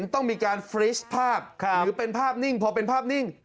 ต้องมีการฟรีชภาพหรือเป็นภาพนิ่งพอเป็นภาพนิ่ง